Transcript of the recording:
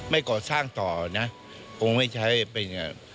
ไม่ก่อสร้างต่อนะคงไม่ใช้เป็น